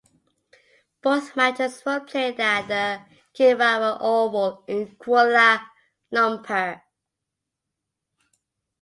Both matches were played at the Kinrara Oval in Kuala Lumpur.